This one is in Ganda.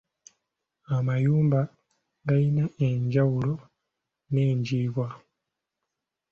Amayuba gayina enjawulo n'enjiibwa.